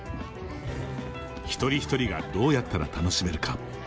一人一人がどうやったら楽しめるか。